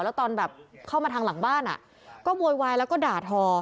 แล้วตอนแบบเข้ามาทางหลังบ้านก็โวยวายแล้วก็ด่าทอ